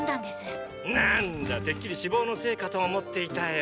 なんだてっきり脂肪のせいかと思っていたよ。